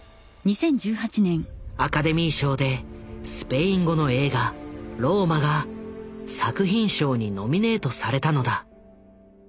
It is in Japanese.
アカデミー賞でスペイン語の映画「ＲＯＭＡ／ローマ」が作品賞にノミネートされたのだ。